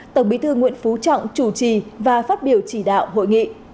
tổng bí thư nguyễn phú trọng chủ trì và phát biểu chỉ đạo hội nghị